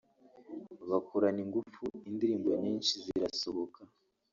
bakorana ingufu indirimbo nyinshi zirasohoka